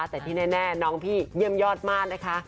แต่ที่แน่น้องพี่เยี่ยมยอดมากนะคะ